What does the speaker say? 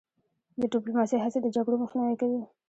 د ډیپلوماسی هڅې د جګړو مخنیوی کوي.